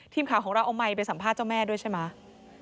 ทีมข่าวของเราเอาไมค์ไปสัมภาษณ์เจ้าแม่ด้วยใช่ไหม